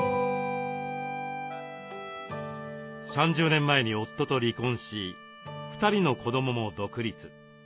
３０年前に夫と離婚し２人の子どもも独立。